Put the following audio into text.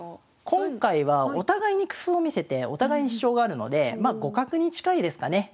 今回はお互いに工夫を見せてお互いに主張があるのでまあ互角に近いですかね。